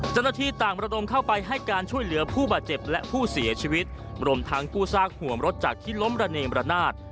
เจ้าหน้าที่ต่างระดมเข้าไปให้การช่วยเหลือผู้บาดเจ็บและผู้เสียชีวิตรวมทั้งกู้ซากห่วงรถจากที่ล้มระเนมระนาด